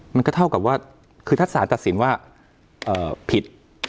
มันก็เท่ากับว่าคือถ้าสารตัดสินว่าผิด